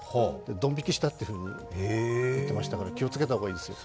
ドン引きしたっていうふうに言ってましたから気をつけた方がいいですよ。